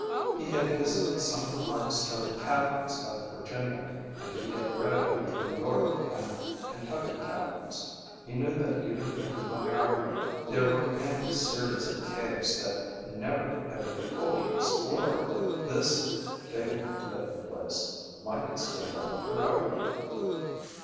He had visited some of the limestone caverns of Virginia, and he had read of the New York and Kentucky caverns. He knew that even in America there were endless series of caves that never had been fully explored. This fabled Tibetan place might extend on forever.